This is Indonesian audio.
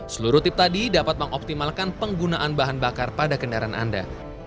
seluruh tip tadi dapat mengoptimalkan penggunaan bahan bakar pada kendaraan anda